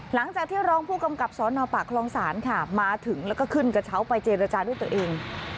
หลังจากที่รองผู้กำกับสนปากคลองศาลค่ะมาถึงแล้วก็ขึ้นกระเช้าไปเจรจาด้วยตัวเอง